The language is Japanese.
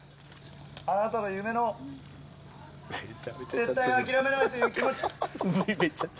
あなたの夢の絶対諦めないという気持ち。